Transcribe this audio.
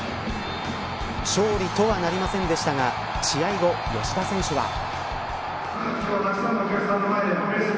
勝利とはなりませんでしたが試合後、吉田選手は。